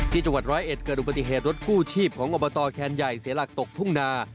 จังหวัดร้อยเอ็ดเกิดอุบัติเหตุรถกู้ชีพของอบตแคนใหญ่เสียหลักตกทุ่งนา